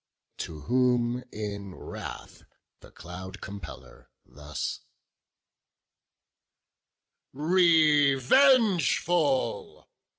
To whom, in wrath, the Cloud compeller thus: "Revengeful!